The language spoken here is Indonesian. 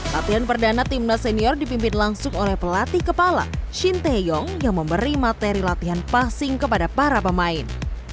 latihan perdana timnas senior dipimpin langsung oleh pelatih kepala shin tae yong yang memberi materi latihan passing kepada para pemain